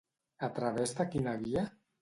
A través de quina via?